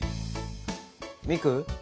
ミク？